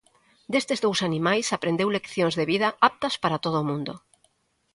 Destes dous animais aprendeu leccións de vida aptas para todo o mundo.